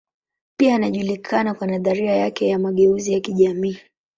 Pia anajulikana kwa nadharia yake ya mageuzi ya kijamii.